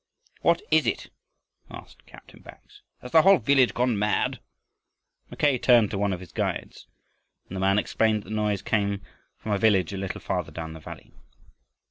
"What is it?" asked Captain Bax. "Has the whole village gone mad?" Mackay turned to one of his guides, and the man explained that the noise came from a village a little farther down the valley.